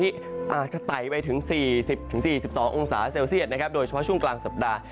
ที่อาจจะไตไปถึง๔๐๔๒องศาเซลเซียสโดยเฉพาะช่วงกลางสัปดาห์